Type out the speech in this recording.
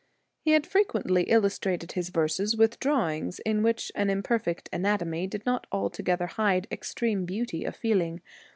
He had frequently illustrated his verses with draw 18 ings, in which an imperfect anatomy did A not altogether hide extreme beauty of feel ing.